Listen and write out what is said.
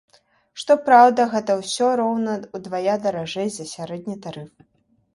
Што праўда, гэта ўсё роўна ўдвая даражэй за сярэдні тарыф.